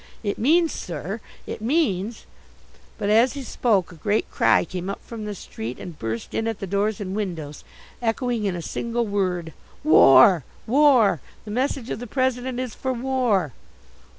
It means, sir, it means " But as he spoke a great cry came up from the street and burst in at the doors and windows, echoing in a single word: WAR! WAR! The message of the President is for WAR!